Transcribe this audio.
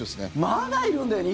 まだいるんだよね